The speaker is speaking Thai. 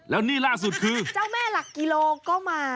แล้วนี่ล่าสุดคือเจ้าแม่หลักกิโลก็มา